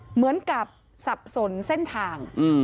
เหมือนกับสับสนเส้นทาง